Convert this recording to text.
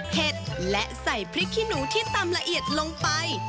เห็ดและใส่พริกขี้หนูที่ตำละเอียดลงไป